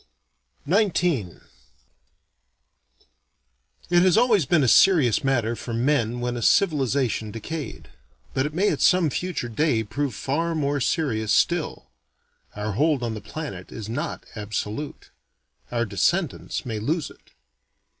XIX It has always been a serious matter for men when a civilization decayed. But it may at some future day prove far more serious still. Our hold on the planet is not absolute. Our descendants may lose it.